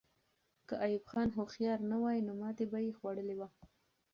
که ایوب خان هوښیار نه وای، نو ماتې به یې خوړلې وه.